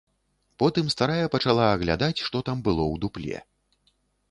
Потым старая пачала аглядаць, што там было ў дупле.